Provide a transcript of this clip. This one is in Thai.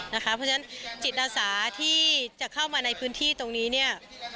เพราะฉะนั้นจิตอาสาที่จะเข้ามาในพื้นที่ตรงนี้เนี่ย